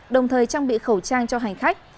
đồng thời trang bị khẩu trang cho hành khách